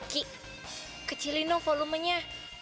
ki kecilin dong volumenya